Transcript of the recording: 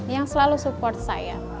yang selalu support saya